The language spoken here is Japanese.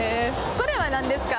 これは何ですか？